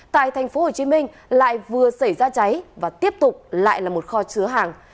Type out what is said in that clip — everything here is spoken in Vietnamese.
tại tp hcm lại vừa xảy ra cháy và tiếp tục lại là một kho chứa hàng